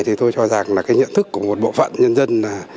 thì tôi cho rằng là cái nhận thức của một bộ phận nhân dân là